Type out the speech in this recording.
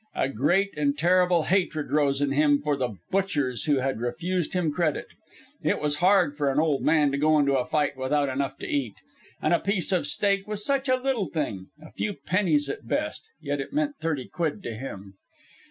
A great and terrible hatred rose up in him for the butchers who had refused him credit. It was hard for an old man to go into a fight without enough to eat. And a piece of steak was such a little thing, a few pennies at best; yet it meant thirty quid to him.